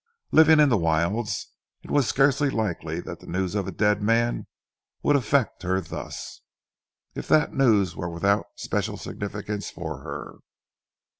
Living in the wilds, it was scarcely likely that the news of a dead man would affect her thus, if that news were without special significance for her.